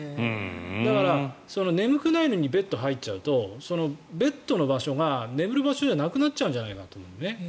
だから、眠くないのにベッドに入っちゃうとベッドの場所が眠る場所じゃなくなっちゃうんじゃないかと。